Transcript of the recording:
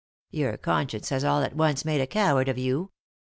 Your conscience has all at once made a coward of you.